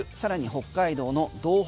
北海道の道北